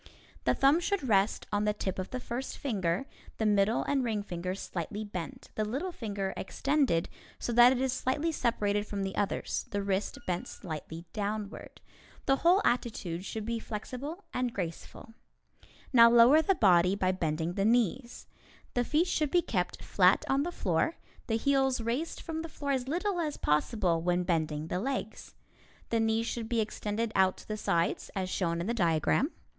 The thumb should rest on the tip of the first finger, the middle and ring fingers slightly bent, the little finger extended so that it is slightly separated from the others, the wrist bent slightly downward. The whole attitude should be flexible and graceful. [Illustration: First Ballet Position] Now lower the body by bending the knees. The feet should be kept flat on the floor, the heels raised from the floor as little as possible when bending the legs. The knees should be extended to the sides, as shown in the diagram.